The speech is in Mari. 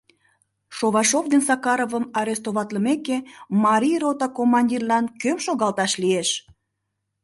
Шовашов ден Сакаровым арестовайымеке, Марий рота командирлан кӧм шогалташ лиеш?